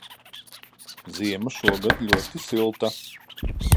Ziema šogad ļoti silta.